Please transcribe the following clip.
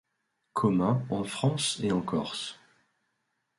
Commun en France et en Corse.